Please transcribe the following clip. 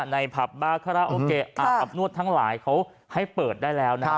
ในผับอับนวดทั้งหลายเขาให้เปิดได้แล้วนะครับ